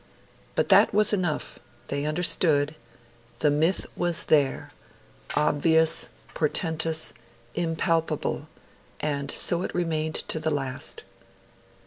But that was enough; they understood; the myth was there obvious, portentous, impalpable; and so it remained to the last.